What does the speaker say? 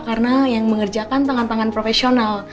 karena yang mengerjakan tangan tangan profesional